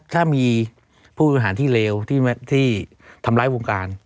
ถ้ามีผู้บริหารที่เลวที่ทำร้ายวงการ